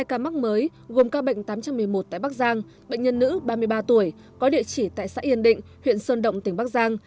hai ca mắc mới gồm ca bệnh tám trăm một mươi một tại bắc giang bệnh nhân nữ ba mươi ba tuổi có địa chỉ tại xã yên định huyện sơn động tỉnh bắc giang